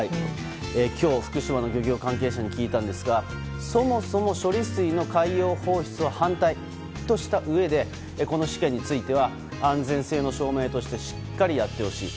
今日、福島の漁業関係者に聞いたんですがそもそも処理水の海洋放出は反対としたうえでこの試験については安全性の証明としてしっかりやってほしい。